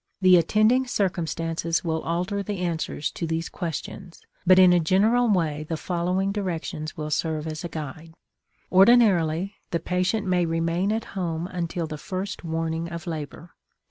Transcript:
The attending circumstances will alter the answers to these questions, but in a general way the following directions will serve as a guide. Ordinarily, the patient may remain at home until the first warning of labor.